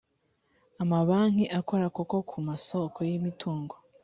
amabanki akora koko ku masoko y ‘imitungo.